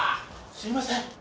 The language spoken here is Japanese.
すいません。